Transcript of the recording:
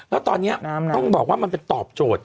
แล้วตอนนี้ต้องบอกว่ามันเป็นตอบโจทย์